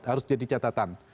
harus jadi catatan